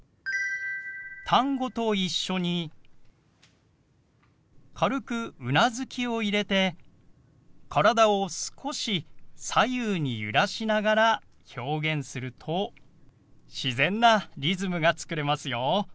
単語と一緒に軽くうなずきを入れて体を少し左右に揺らしながら表現すると自然なリズムが作れますよ。